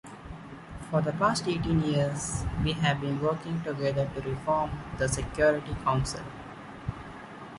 For the past eighteen years, we have been working together to reform the Security Council.